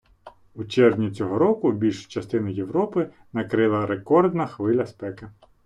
У червні цього року більшу частину Європи накрила рекордна хвиля спеки